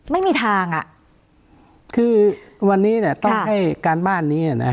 ไม่มีทางอ่ะคือวันนี้ต้องให้การบ้านนี้